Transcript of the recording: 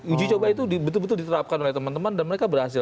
uji coba itu betul betul diterapkan oleh teman teman dan mereka berhasil